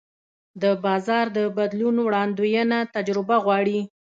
د بازار د بدلون وړاندوینه تجربه غواړي.